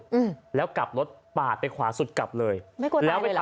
อืมแล้วกลับรถปาดไปขวาสุดกลับเลยไม่กลัวแล้วเวลา